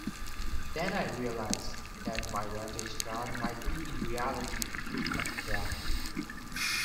Then I realised that my vantage-ground might be in reality a trap.